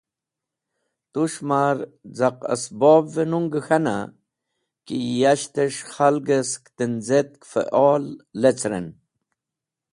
Tus̃h mar caq ẽsbobvẽ nungẽ k̃hana ki yahtẽs̃h khalgẽ sẽk tẽnz̃etk fẽol lecrẽn.